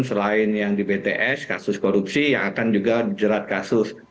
selain yang di bts kasus korupsi yang akan juga jerat kasus